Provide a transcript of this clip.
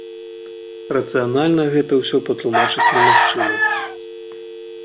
Рацыянальна гэта ўсё патлумачыць немагчыма.